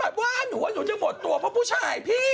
ว่าหนูว่าหนูจะหมดตัวเพราะผู้ชายพี่